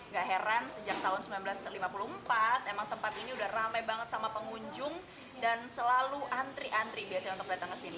gak heran sejak tahun seribu sembilan ratus lima puluh empat emang tempat ini udah ramai banget sama pengunjung dan selalu antri antri biasanya untuk datang ke sini